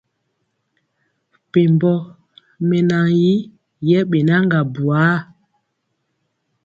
Mɛpembɔ mɛnan yi yɛbɛnaga buar.